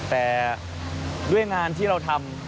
แต่ด้วยงานที่เราทำ